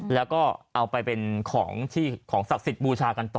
แล้วก็เอาไปเป็นของสักศิษย์บูชากันต่อ